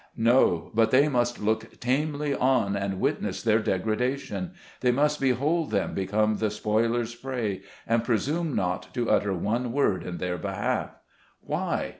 " No, but they must look tamely on and witness their degradation ; they must behold them become the spoiler's prey, and presume not to utter one word in their behalf. Why